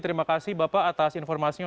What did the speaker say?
terima kasih bapak atas informasinya